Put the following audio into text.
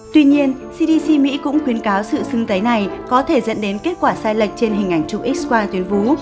tuy nhiên cdc mỹ cũng khuyến cáo sự sưng tấy này có thể dẫn đến kết quả sai lệch trên hình ảnh chụp x qua tuyến vú